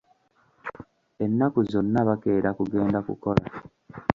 Ennaku zonna bakeera kugenda kukola.